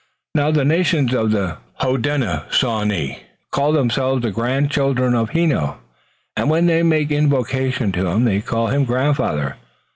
Now, the nations of the Hodenosaunee call themselves the grandchildren of Heno, and when they make invocation to him they call him grandfather.